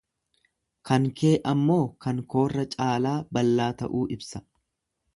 Kan kee ammoo kan koorra caalaa ballaa ta'uu ibsa.